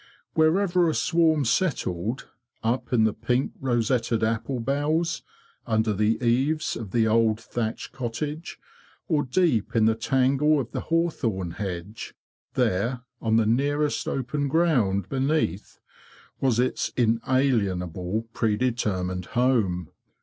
Wherever a swarm settled—up in the pink rosetted apple boughs, under the eaves of the old thatched cottage, or deep in the tangle of the hawthorn hedge—there, on the nearest open ground beneath, was _ its inalienable, predetermined home.